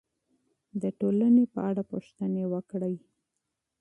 د ټولنې په اړه پوښتنې وکړئ.